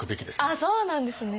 あっそうなんですね。